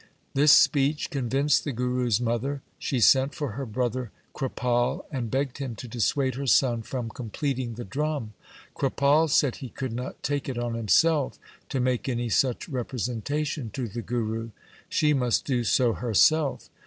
This speech convinced the Guru's mother. She sent for her brother Kripal, and begged him to dissuade her son from completing the drum. Kripal said he could not take it on himself to make any such representation to the Guru. She must do so herself.